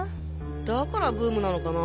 だからブームなのかな？